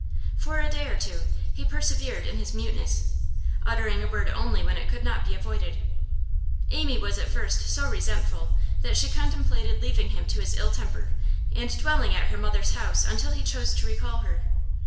For a day or two he persevered in his muteness, uttering a word only when it could not be avoided. Amy was at first so resentful that she contemplated leaving him to his ill temper and dwelling at her mother's house until he chose to recall her.